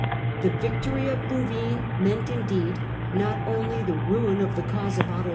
The victory of Bouvines meant, indeed, not only the ruin of the cause of Otto IV.